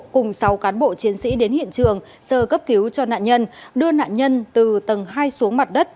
cùng sáu cán bộ chiến sĩ đến hiện trường sơ cấp cứu cho nạn nhân đưa nạn nhân từ tầng hai xuống mặt đất